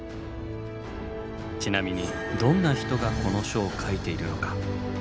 ちなみにどんな人がこの書を書いているのかご存じですか？